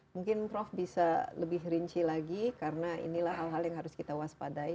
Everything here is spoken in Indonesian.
mungkin prof bisa lebih rinci lagi karena inilah hal hal yang harus kita waspadai